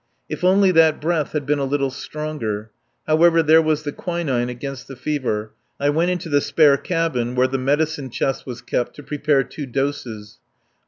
If only that breath had been a little stronger. However, there was the quinine against the fever. I went into the spare cabin where the medicine chest was kept to prepare two doses.